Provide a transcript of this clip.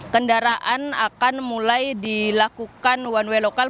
kendaraan akan mulai dilakukan one way lokal